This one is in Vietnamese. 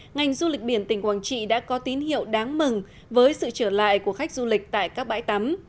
ngành du lịch biển tỉnh quảng trị đã có tín hiệu đáng mừng với sự trở lại của khách du lịch tại các bãi tắm